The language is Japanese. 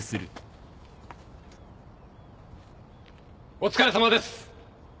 お疲れさまです。